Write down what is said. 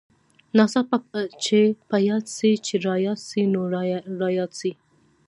ناڅاپه چې په ياد سې چې راياد سې نو راياد سې.